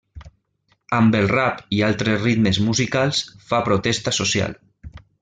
Amb el rap i altres ritmes musicals fa protesta social.